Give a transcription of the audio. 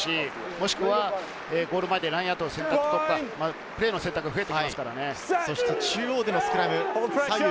もしくはゴール前でラインアウトを選択すると、選択肢が増えてきますからね。